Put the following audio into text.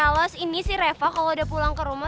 kalau seini sih reva kalo udah pulang ke rumah